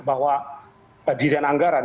bahwa dirjen anggaran